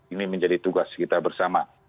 ini menjadi tugas kita bersama